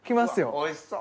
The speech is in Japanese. おいしそう！